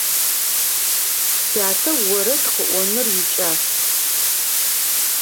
Сятэ орэд къыӏоныр икӏас.